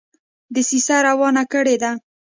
دسیسه روانه کړي ده.